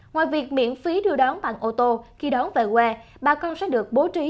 ngoài việc miễn phí đưa đón bằng ô tô khi đón về quê bà con sẽ được bố trí